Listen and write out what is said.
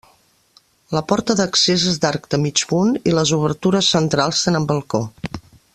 La porta d'accés és d'arc de mig punt i les obertures centrals tenen balcó.